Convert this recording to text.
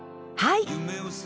はい。